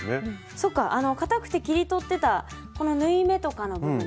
そっかかたくて切り取ってたこの縫い目とかの部分ですね。